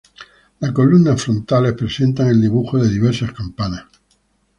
Las columnas frontales presentan el dibujo de diversas campanas.